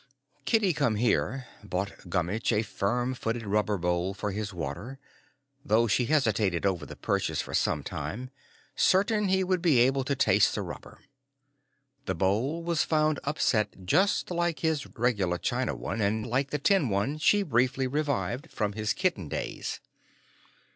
Kitty Come Here bought Gummitch a firm footed rubber bowl for his water, though she hesitated over the purchase for some time, certain he would be able to taste the rubber. This bowl was found upset just like his regular china one and like the tin one she briefly revived from his kitten days.